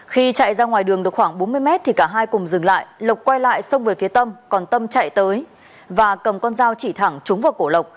khi chạy ra ngoài đường được khoảng bốn mươi mét thì cả hai cùng dừng lại lộc quay lại sông về phía tâm còn tâm chạy tới và cầm con dao chỉ thẳng trúng vào cổ lộc